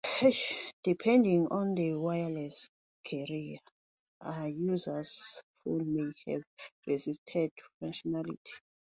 Depending on the wireless carrier, a user's phone may have restricted functionality.